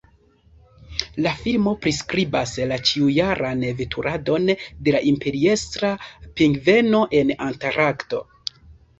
La filmo priskribas la ĉiujaran veturadon de la Imperiestra pingveno en Antarkto.